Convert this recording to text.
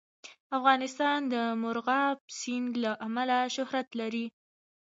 افغانستان د مورغاب سیند له امله شهرت لري.